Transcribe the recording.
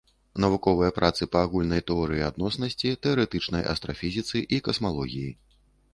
Навуковыя працы па агульнай тэорыі адноснасці, тэарэтычнай астрафізіцы і касмалогіі.